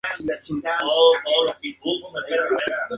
La cuestión del mando fue motivo de debate.